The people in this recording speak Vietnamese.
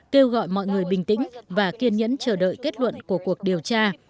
kêu gọi mọi người bình tĩnh và kiên nhẫn chờ đợi kết luận của cuộc điều tra